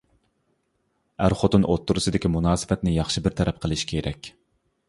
ئەر-خوتۇن ئوتتۇرىسىدىكى مۇناسىۋەتنى ياخشى بىر تەرەپ قىلىش كېرەك.